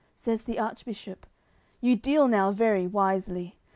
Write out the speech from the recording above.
Says the Archbishop: "You deal now very wisely!